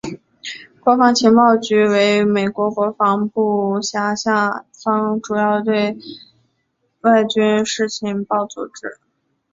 国防情报局为美国国防部辖下主要对外军事情报组织。